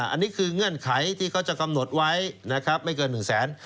อันนี้คือเงื่อนไขที่เขาจะกำหนดไว้นะครับไม่เกิน๑แสน